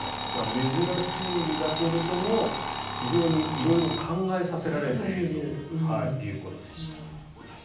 珍しいんだけど非常に色々考えさせられるという映像でした。